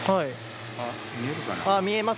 あっ見えるかな？